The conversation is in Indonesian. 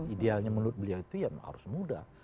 idealnya menurut beliau itu ya harus mudah